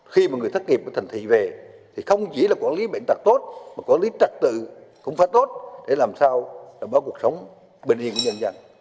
khi mà người thất nghiệp của thành thị về thì không chỉ là quản lý bệnh tật tốt mà quản lý trật tự cũng phải tốt để làm sao đảm bảo cuộc sống bình yên của nhân dân